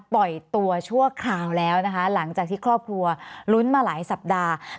ตัวชั่วคราวแล้วนะคะหลังจากที่ครอบครัวลุ้นมาหลายสัปดาห์